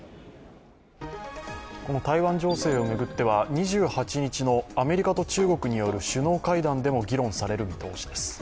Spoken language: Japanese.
この台湾情勢を巡っては、２８日のアメリカと中国による首脳会談でも議論される見通しです。